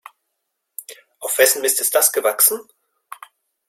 Auf wessen Mist ist das gewachsen?